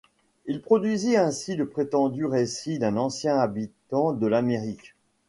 Il produisit ainsi le prétendu récit d’un ancien habitant de l’Amérique.